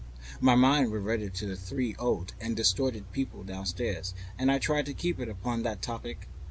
My mind reverted to the three old and distorted people downstairs, and I tried to keep it upon that topic.